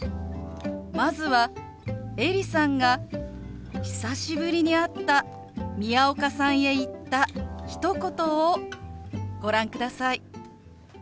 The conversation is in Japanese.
まずはエリさんが久しぶりに会った宮岡さんへ言ったひと言をご覧ください。